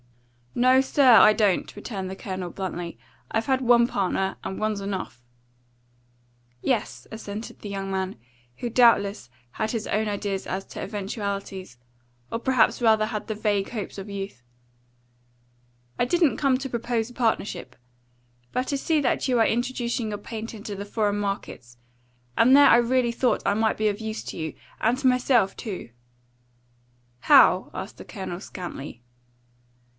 "No, sir, I don't," returned the Colonel bluntly. "I've had one partner, and one's enough." "Yes," assented the young man, who doubtless had his own ideas as to eventualities or perhaps rather had the vague hopes of youth. "I didn't come to propose a partnership. But I see that you are introducing your paint into the foreign markets, and there I really thought I might be of use to you, and to myself too." "How?" asked the Colonel scantly.